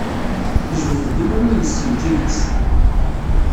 Tejbed-d imru-ines seg lǧib-is.